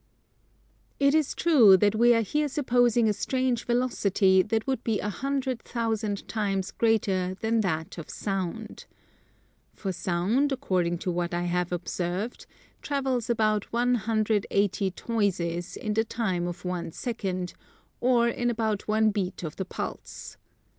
It is true that we are here supposing a strange velocity that would be a hundred thousand times greater than that of Sound. For Sound, according to what I have observed, travels about 180 Toises in the time of one Second, or in about one beat of the pulse.